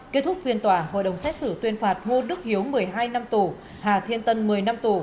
kết thúc phiên tòa hội đồng xét xử tuyên phạt ngô đức hiếu một mươi hai năm tù hà thiên tân một mươi năm tù